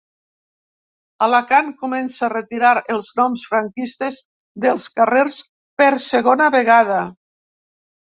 Alacant comença a retirar els noms franquistes dels carrers per segona vegada.